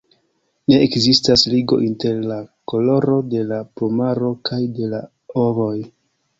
Ne ekzistas ligo inter la koloro de la plumaro kaj de la ovoj.